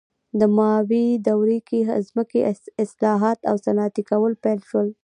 د ماو دورې کې ځمکې اصلاحات او صنعتي کول پیل شول.